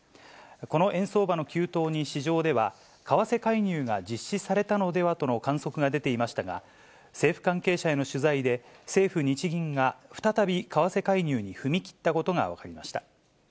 この円相場の急騰に、市場では、為替介入が実施されたのではとの観測が出ていましたが、政府関係者への取材で、政府・日銀が再び為替介入に踏み切ったことが分かりました。